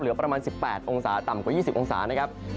ประมาณ๑๘องศาต่ำกว่า๒๐องศานะครับ